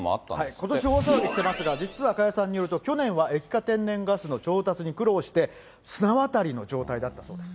ことし大騒ぎしてますが、実は加谷さんによると、去年は液化天然ガスの調達に苦労して、綱渡りの状態だったそうです。